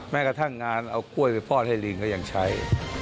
แม้กระทั่งงานเอากล้วยไปฟอดให้ลิงก็ยังใช้